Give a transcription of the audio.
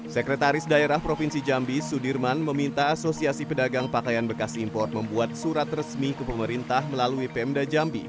sekretaris daerah provinsi jambi sudirman meminta asosiasi pedagang pakaian bekas impor membuat surat resmi ke pemerintah melalui pemda jambi